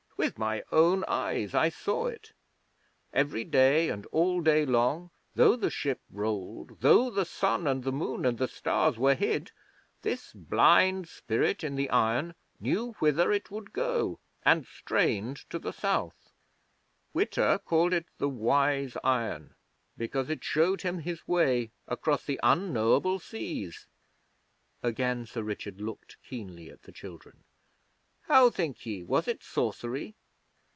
'With my own eyes I saw it. Every day and all day long, though the ship rolled, though the sun and the moon and the stars were hid, this blind Spirit in the iron knew whither it would go, and strained to the South. Witta called it the Wise Iron, because it showed him his way across the unknowable seas.' Again Sir Richard looked keenly at the children. 'How think ye? Was it sorcery?'